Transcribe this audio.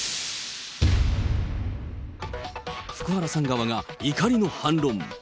福原さん側が怒りの反論。